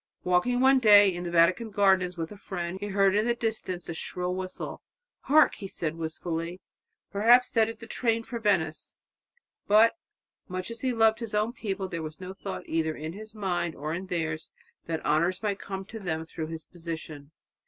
Walking one day in the Vatican gardens with a friend, he heard in the distance a shrill whistle. "Hark!" he said, wistfully, "perhaps that is the train for Venice!" But much as he loved his own people there was no thought either in his mind or in theirs that honours might come to them through his position.